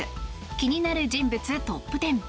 気になる人物トップ１０。